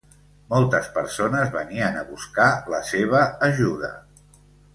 Moltes persones venien a buscar la seva ajuda.